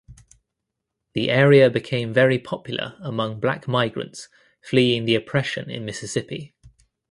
The area became very popular among black migrants fleeing the oppression in Mississippi.